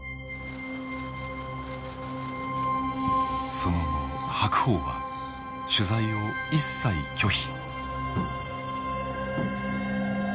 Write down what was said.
その後白鵬は取材を一切拒否。